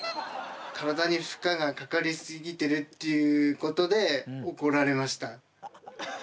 体に負荷がかかり過ぎてるっていうことで怒られました。